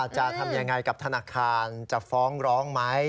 จะทำยังไงกับธนาคารจะฟ้องร้องไหม